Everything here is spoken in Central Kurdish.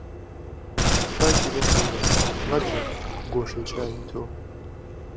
پاکی به قوربان، مهگره، گۆشهی چاوی تۆ